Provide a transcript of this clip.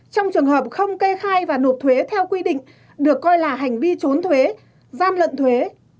trong trường hợp không kê khai và nộp thuế theo quy định được coi là hành vi trốn thuế gian lận thuế